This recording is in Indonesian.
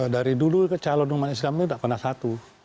dari dulu calon umat islam itu tidak pernah satu